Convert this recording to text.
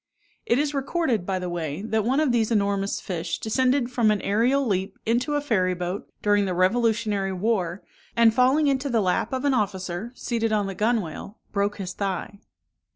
It is recorded, by the way, that one of these enormous fish descended from an aerial leap into a ferry boat, during the revolutionary war, and falling into the lap of an officer, seated on the gunwale, broke his thigh.